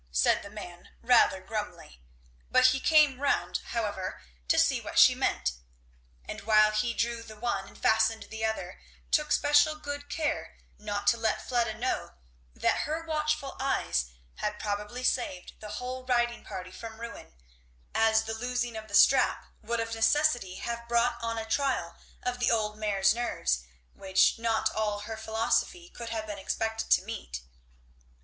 said the man rather grumly. But he came round however to see what she meant, and while he drew the one and fastened the other took special good care not to let Fleda know that her watchful eyes had probably saved the whole riding party from ruin; as the loosing of the strap would of necessity have brought on a trial of the old mare's nerves which not all her philosophy could have been expected to meet.